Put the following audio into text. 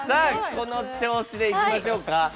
この調子でいきましょうか。